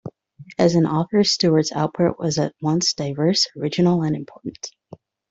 As an author, Stewart's output was at once diverse, original, and important.